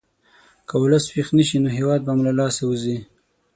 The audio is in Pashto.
که ولس ویښ نه شي، نو هېواد به مو له لاسه ووځي.